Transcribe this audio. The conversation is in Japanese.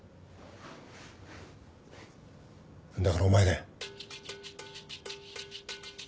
だからお前だよ。